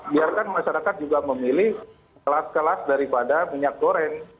biarkan masyarakat juga memilih kelas kelas daripada minyak goreng